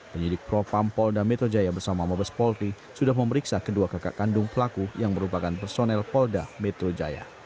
penyidik propam polda metro jaya bersama mabes polri sudah memeriksa kedua kakak kandung pelaku yang merupakan personel polda metro jaya